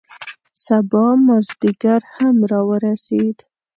سبا مازدیګر هم را ورسید.